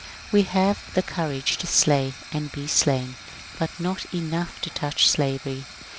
We have the courage to slay and be slain, but not enough to touch slavery.